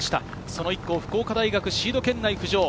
その１校、福岡大学がシード圏内浮上。